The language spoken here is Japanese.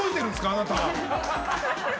あなた。